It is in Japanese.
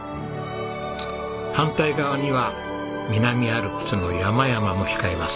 反対側には南アルプスの山々も控えます。